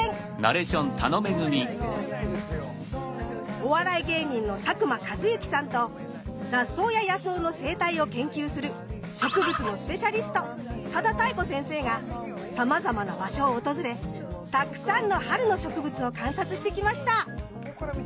お笑い芸人の佐久間一行さんと雑草や野草の生態を研究する植物のスペシャリスト多田多恵子先生がさまざまな場所を訪れたくさんの春の植物を観察してきました。